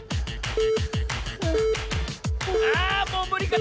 あもうむりか？